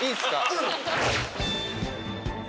うん！